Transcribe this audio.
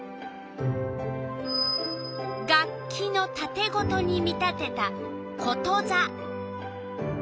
楽器のたてごとに見立てたことざ。